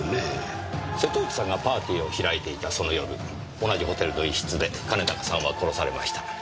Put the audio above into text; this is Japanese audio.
瀬戸内さんがパーティーを開いていたその夜同じホテルの一室で兼高さんは殺されました。